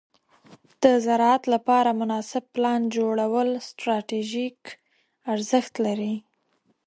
د زراعت لپاره مناسب پلان جوړول ستراتیژیک ارزښت لري.